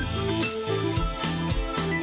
สวัสดีค่ะ